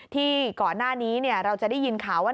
ที่ก่อนหน้านี้เราจะได้ยินข่าวว่า